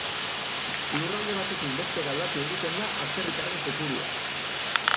Lurralde batetik bestera aldatu egiten da atzerritarren kopurua.